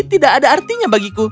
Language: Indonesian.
tidak ada artinya bagiku